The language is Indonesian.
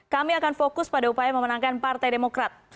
kami akan fokus pada upaya memenangkan partai demokrat